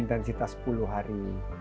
intensitas sepuluh hari